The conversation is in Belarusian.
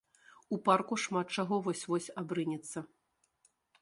У парку шмат чаго вось-вось абрынецца.